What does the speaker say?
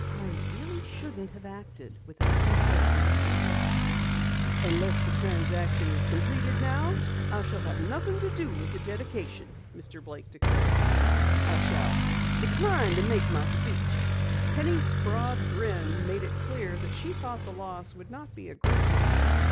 "I really shouldn't have acted without consulting Mr. Parker." "Unless the transaction is completed now I shall have nothing to do with the dedication," Mr. Blake declared. "I shall decline to make my speech." Penny's broad grin made it clear that she thought the loss would not be a great one.